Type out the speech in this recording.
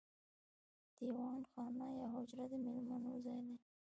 دیوان خانه یا حجره د میلمنو ځای دی.